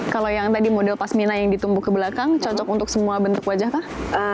kalau yang tadi model pasmina yang ditumbuh ke belakang cocok untuk semua bentuk wajah kah